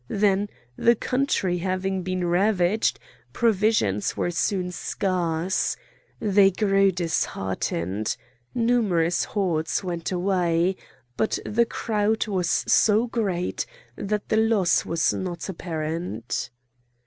Then, the country having been ravaged, provisions were soon scarce. They grew disheartened. Numerous hordes went away, but the crowd was so great that the loss was not apparent.